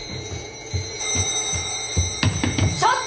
ちょっと！